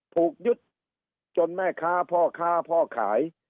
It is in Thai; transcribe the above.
ถูกยึดจนแม่ค้าพ่อค้าพ่อขาย